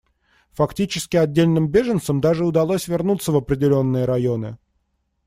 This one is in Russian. Фактически отдельным беженцам даже удалось вернуться в определенные районы.